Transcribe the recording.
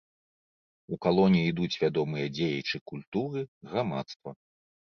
У калоне ідуць вядомыя дзеячы культуры, грамадства.